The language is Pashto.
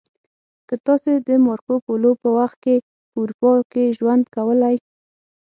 که تاسې د مارکو پولو په وخت کې په اروپا کې ژوند کولی